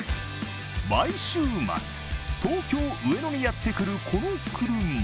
毎週末、東京・上野にやってくるこの車。